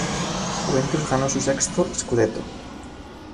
Juventus ganó su sexto "scudetto".